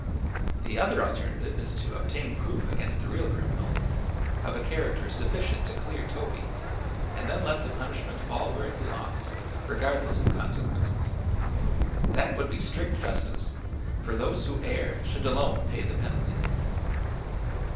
The other alternative is to obtain proof against the real criminal, of a character sufficient to clear Toby, and then let the punishment fall where it belongs, regardless of consequences. That would be strict justice, for those who err should alone pay the penalty."